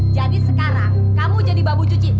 jadi sekarang kamu jadi bambu cuci